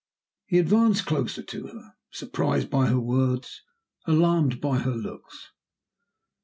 He advanced closer to her surprised by her words, alarmed by her looks.